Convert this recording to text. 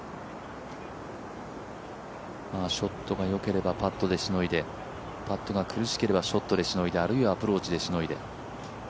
ショットがよければパットでしのいで、パットが苦しければショットでしのいで、あるいはアプローチでしのいで。